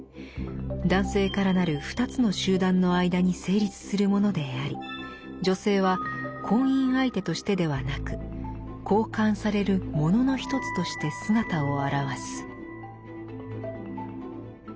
男性からなるふたつの集団の間に成立するものであり女性は婚姻相手としてではなく交換される物のひとつとして姿を現す」。